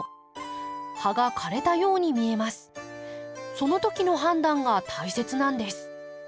その時の判断が大切なんです。